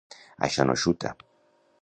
Això no xuta.